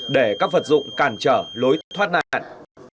để các vật dụng cản trở lối thoát nạn